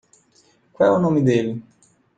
Qual é o nome dele?